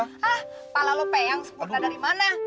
hah kepala lo pe yang sempurna dari mana